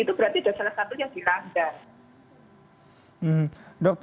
itu berarti ada salah satunya yang dilanggar